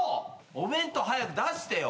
お弁当早く出してよ。